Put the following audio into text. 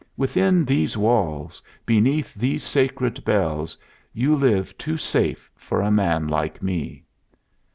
Within these walls, beneath these sacred bells, you live too safe for a man like me."